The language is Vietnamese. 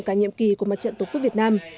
cả nhiệm kỳ của mặt trận tổ quốc việt nam